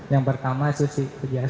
yang pertama susi